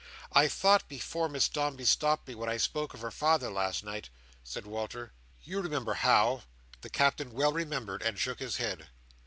"I thought, before Miss Dombey stopped me when I spoke of her father last night," said Walter, "—you remember how?" The Captain well remembered, and shook his head.